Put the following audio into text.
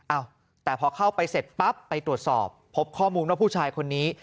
อ้าวแต่พอเข้าไปเสร็จปั๊บไปตรวจสอบพบข้อมูลว่าผู้ชายคนนี้